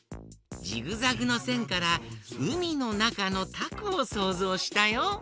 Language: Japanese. ジグザグのせんからうみのなかのタコをそうぞうしたよ。